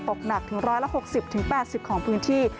หนักถึง๑๖๐๘๐ของพื้นที่